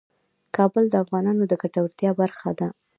کابل د افغانانو د ګټورتیا برخه ده.